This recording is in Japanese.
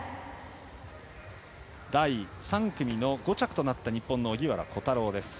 第３組の５着となった日本の荻原虎太郎です。